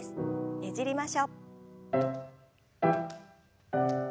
ねじりましょう。